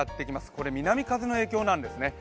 これ南風の影響なんですね。